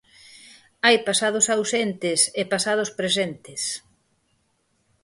Hai pasados ausentes e pasados presentes.